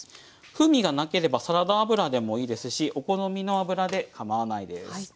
風味がなければサラダ油でもいいですしお好みの油でかまわないです。